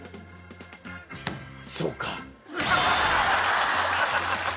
そうか。